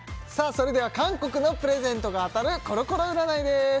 それでは韓国のプレゼントが当たるコロコロ占いです